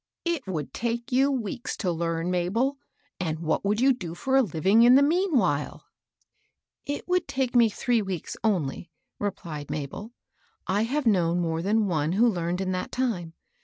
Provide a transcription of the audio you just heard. " It would take you weeks .to learn, Mabel; 104 MABEL ROSS. and what would you do for a living in the meanh while?" "It would take me three weeks only," replied Mabel. "I have known more than one who learned in that time.